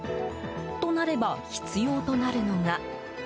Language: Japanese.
と、なれば必要となるのが。